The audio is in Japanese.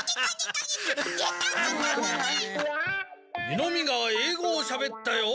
「湯飲みが英語をしゃべったよ。